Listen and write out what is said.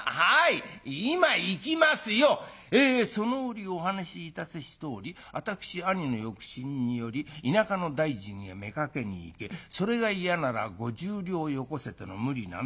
『その折お話しいたせしとおり私兄の欲心により田舎の大尽へ妾に行けそれが嫌なら５０両よこせとの無理難題。